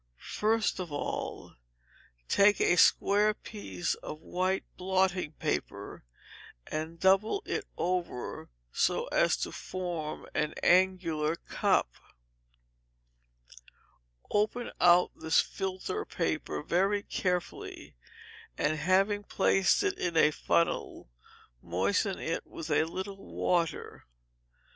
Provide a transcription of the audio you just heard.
First of all take a square piece of white blotting paper, and double it over so as to form an angular cup. Open out this filter paper very carefully, and having placed it in a funnel, moisten it with a little water.